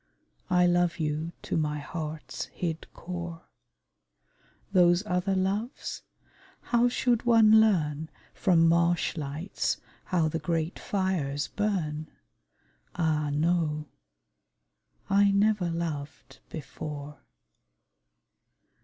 I love you to my heart's hid core: Those other loves? how should one learn From marshlights how the great fires burn? Ah, no! I never loved before!